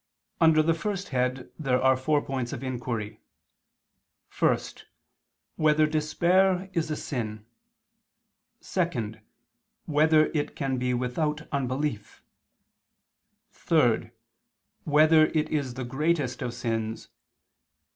Under the first head there are four points of inquiry: (1) Whether despair is a sin? (2) Whether it can be without unbelief? (3) Whether it is the greatest of sins?